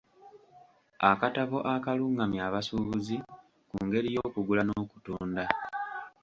Akatabo akalungamya abasuubuzi ku ngeri y'okugula n'okutunda.